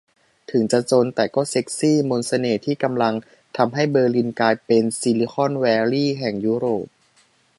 'ถึงจะจนแต่ก็เซ็กซี' มนต์เสน่ห์ที่กำลังทำให้เบอร์ลินกลายเป็น 'ซิลิคอนแวลลีย์' แห่งยุโรป